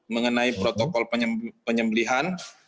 mengenai protokol penyembelian